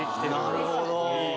なるほど。